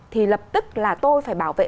thì lập tức là tôi phải bảo vệ